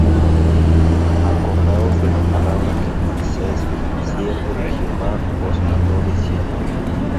Acordaos de la palabra que Moisés, siervo de Jehová, os mandó diciendo